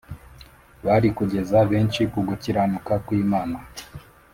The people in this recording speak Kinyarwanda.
bari kugeza benshi ku gukiranuka kw’imana